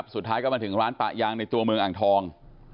สุดท้ายก็มาถึงร้านปะยางในตัวเมืองอ่างทอง